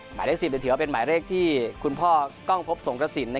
หมายเลข๑๐ถือว่าเป็นหมายเลขที่คุณพ่อกล้องพบสงกระสิน